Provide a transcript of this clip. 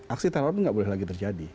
aksi teror itu nggak boleh lagi terjadi